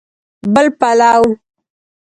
بل پلو